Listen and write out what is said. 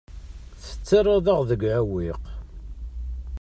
Tettarraḍ-aɣ deg uɛewwiq.